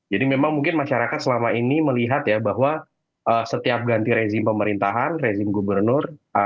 jadi memang mungkin masyarakat selama ini melihat ya bahwa setiap ganti rezim pemerintahan rezim gubernur